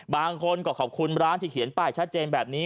บางคนก็ขอบคุณร้านที่เขียนป้ายชัดเจนแบบนี้